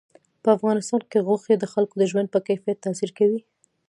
په افغانستان کې غوښې د خلکو د ژوند په کیفیت تاثیر کوي.